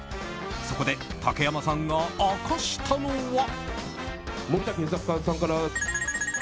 そこで竹山さんが明かしたのは。